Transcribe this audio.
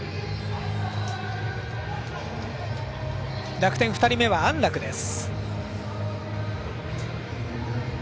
楽天２人目は安樂です。